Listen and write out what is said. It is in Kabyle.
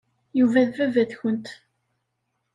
Yuba d baba-tkent.